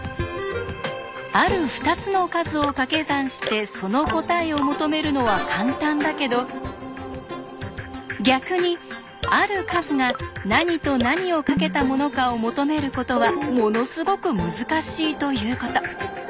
ある２つの数をかけ算してその答えを求めるのは簡単だけど逆にある数が何と何をかけたものかを求めることはものすごく難しいということ。